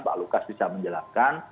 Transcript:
pak lukas bisa menjelaskan